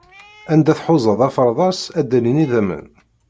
Anda tḥuzaḍ afeṛḍas, ad d-alin idammen.